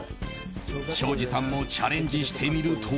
庄司さんもチャレンジしてみると。